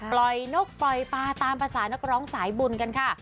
นกปล่อยปลาตามภาษานักร้องสายบุญกันค่ะ